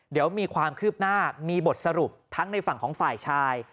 เดี๋ยวมีความคืบหน้ามีบทสรุปทั้งในฝั่งของฝ่ายชาย